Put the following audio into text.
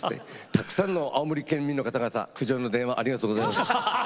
たくさんの青森県民の方々苦情の電話ありがとうございました。